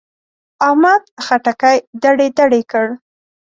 احمد خټکی دړې دړې کړ.